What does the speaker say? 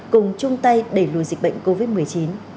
cùng chung tay đẩy lùi dịch bệnh covid một mươi chín